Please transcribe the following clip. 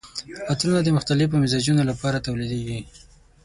عطرونه د مختلفو مزاجونو لپاره تولیدیږي.